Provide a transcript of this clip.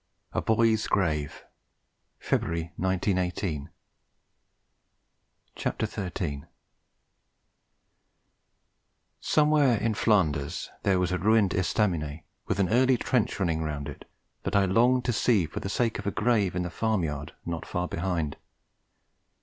A BOY'S GRAVE (February, 1918) Somewhere in Flanders there was a ruined estaminet, with an early trench running round it, that I longed to see for the sake of a grave in a farm yard not far behind.